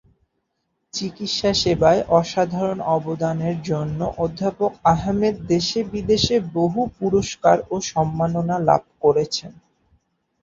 চিকিৎসাসেবায় অসাধারণ অবদানের জন্য অধ্যাপক আহমেদ দেশে-বিদেশে বহু পুরস্কার ও সম্মাননা লাভ করেছেন।